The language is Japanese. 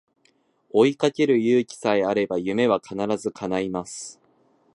追いかける勇気さえあれば夢は必ず叶います